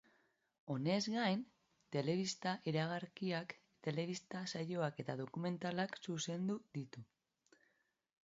Honez gain, telebista iragarkiak, telebista saioak eta dokumentalak zuzendu ditu.